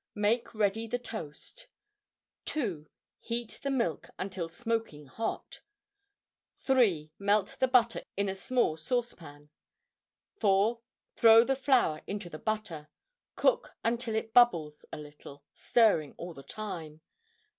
Make ready the toast. 2. Heat the milk until smoking hot. 3. Melt the butter in a small saucepan. 4. Throw the flour into the butter. Cook until it bubbles a little, stirring all the time.